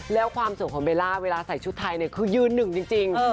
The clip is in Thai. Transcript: แล้วความสุขของเบลล่าเวลาใส่ชุดไทยเนี่ยคือยืนหนึ่งจริง